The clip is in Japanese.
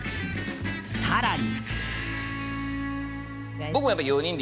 更に。